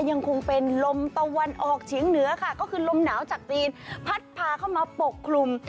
ยังคงเป็นลมตะวันออกเฉียงเหนือค่ะก็คือลมหนาวจากจีนพัดพาเข้ามาปกคลุม